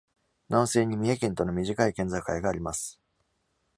南西に三重県との短い県境があります。